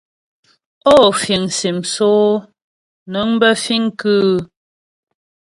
Ó fìŋ sim sóó nəŋ bə fìŋ kʉ́ʉ ?